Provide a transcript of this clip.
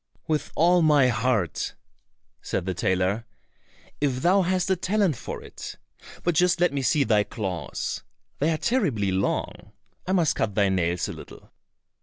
"With all my heart," said the tailor, "if thou hast a talent for it. But just let me see thy claws, they are terribly long, I must cut thy nails a little."